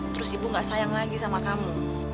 terus ibu gak sayang lagi sama kamu